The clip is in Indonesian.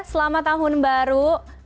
selamat tahun baru